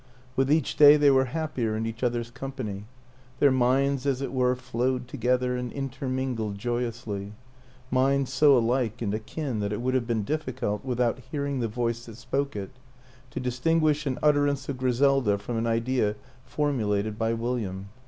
With each day they were happier in each other's company; their minds as it were flowed together and intermingled joyously minds so alike and akin that it would have been difficult, without hear ing the voice that spoke it, to distinguish an utter ance of Griselda from an idea formulated by Wil liam.